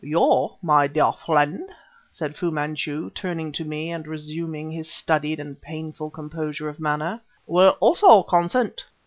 "You, my dear friend," said Fu Manchu, turning to me and resuming his studied and painful composure of manner, "will also consent...."